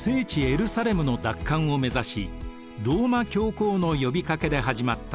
エルサレムの奪還を目指しローマ教皇の呼びかけで始まった十字軍。